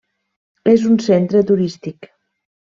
És un centre turístic.